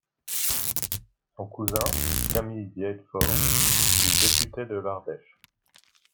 Son cousin, Camille Vielfaure fut député de l'Ardèche.